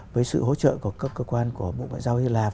với sự hỗ trợ của các cơ quan của bộ ngoại giao hy lạp